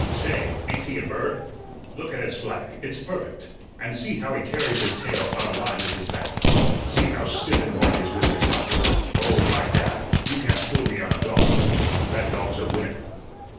Say, ain't he a bird? Look at his flag; it's perfect; and see how he carries his tail on a line with his back. See how stiff and white his whiskers are. Oh, by damn! you can't fool me on a dog. That dog's a winner."